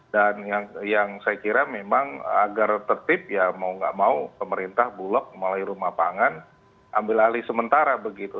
dan yang saya kira memang agar tertib ya mau gak mau pemerintah bulog mulai rumah pangan ambil alih sementara begitu